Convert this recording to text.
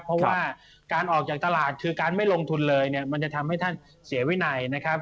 เพราะว่าการออกจากตลาดคือการไม่ลงทุนเลยเนี่ยมันจะทำให้ท่านเสียวินัยนะครับ